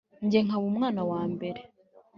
jye nkaba umwana wambere